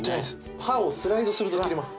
刃をスライドすると切れます